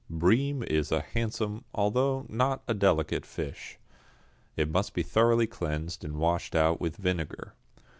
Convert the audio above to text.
=Bream= is a handsome, although not a delicate fish. It must be thoroughly cleansed and washed out with vinegar.